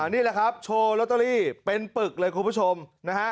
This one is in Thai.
นี่แหละครับโชว์ลอตเตอรี่เป็นปึกเลยคุณผู้ชมนะฮะ